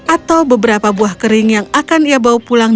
atau beberapa buah kering yang akan ia bawa pulang